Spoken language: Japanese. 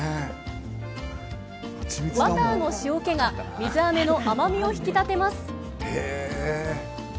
バターの塩けが水あめの甘みを引き立てます。